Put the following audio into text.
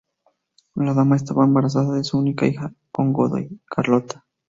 La dama estaba embarazada de su única hija con Godoy, Carlota.